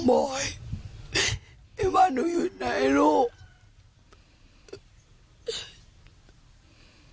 บอยที่บ้านหนูอยู่ไหนลูก